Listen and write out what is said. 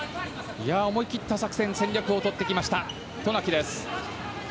思い切った作戦、戦略をとってきた渡名喜。